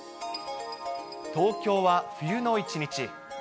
東京は冬の一日。